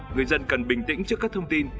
người dân cần bình tĩnh trước các thông tin